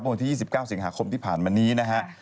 ตั้งแต่วันที่๒๙เสียงหาคมที่ผ่านมานี้นะฮะ